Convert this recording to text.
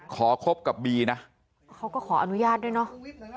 คบกับบีนะเขาก็ขออนุญาตด้วยเนอะ